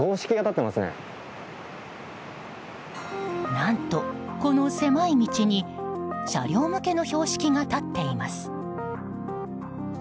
何と、この狭い道に車両向けの標識が立っています。